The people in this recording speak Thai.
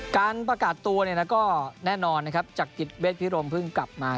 การประกาศตัวเนี่ยนะก็แน่นอนนะครับจากกิจเวทพิรมเพิ่งกลับมา